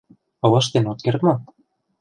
— Ылыжтен от керт мо?